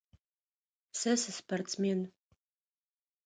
Сэ сыспортсмен.